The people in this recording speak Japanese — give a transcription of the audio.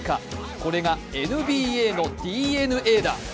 これがＮＢＡのＤＮＡだ。